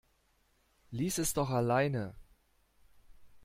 Lies es doch alleine!